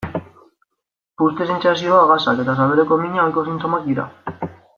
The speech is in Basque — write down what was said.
Puzte-sentsazioa, gasak eta sabeleko mina ohiko sintomak dira.